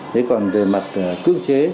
nếu còn về mặt cưỡng chế